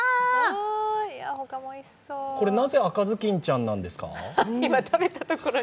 なぜ赤ずきんちゃんなんですか？